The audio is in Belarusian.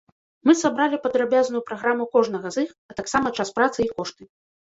Мы сабралі падрабязную праграму кожнага з іх, а таксама час працы і кошты.